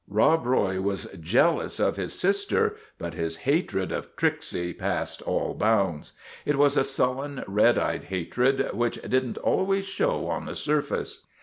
Rob Roy was jealous of his sister; but his hatred of Tricksy passed all bounds. It was a sullen, red eyed hatred, which did n't al ways show on the surface.